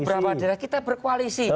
beberapa daerah kita berkoalisi